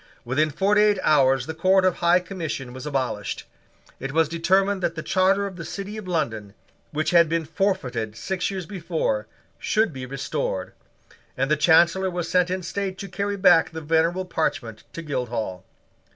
Within forty eight hours the Court of High Commission was abolished. It was determined that the charter of the City of London, which had been forfeited six years before, should be restored; and the Chancellor was sent in state to carry back the venerable parchment to Guildhall.